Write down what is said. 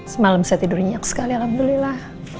semalam saya tidur nyenyak sekali alhamdulillah